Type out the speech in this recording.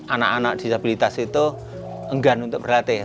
anak anak disabilitas itu enggan untuk berlatih